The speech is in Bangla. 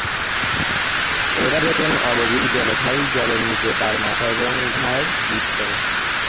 এরা যখন অগভীর জলে খায় জলের নিচে তার মাথা এবং ঘাড় ডিপ করে।